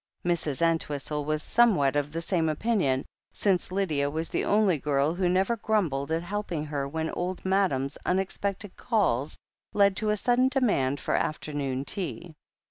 Mrs. Entwhistle was somewhat of the same opinion, since Lydia was the only girl who never grumbled at helping her when Old Madam's imexpected calls led to a sudden demand for afternoon tea.